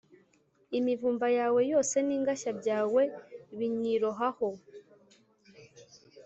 imivumba yawe yose n’ingashya byawe binyirohaho.